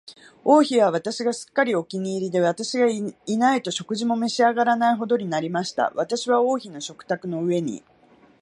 王妃は私がすっかりお気に入りで、私がいないと食事も召し上らないほどになりました。私は王妃の食卓の上に、